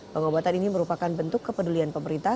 pengobatan ini merupakan bentuk kepedulian pemerintah